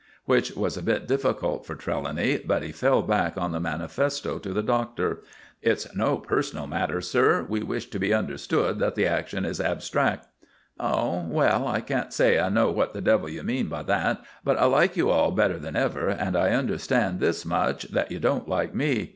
Which was a bit difficult for Trelawny; but he fell back on the manifesto to the Doctor. "It's no personal matter, sir. We wish it to be understood that the action is abstract." "Oh. Well, I can't say I know what the devil you mean by that; but I like you all better than ever, and I understand this much, that you don't like me.